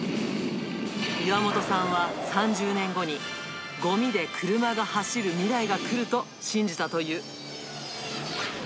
岩元さんは３０年後に、ごみで車が走る未来が来ると信じたという。